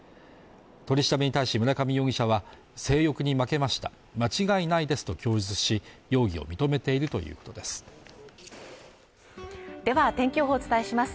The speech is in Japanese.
取り調べに対し村上容疑者は性欲に負けました間違いないですと供述し容疑を認めているということですでは天気予報をお伝えします